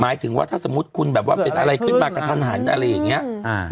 หมายถึงว่าถ้าสมมุติคุณแบบว่าเป็นอะไรขึ้นมากระทันหันอะไรอย่างนี้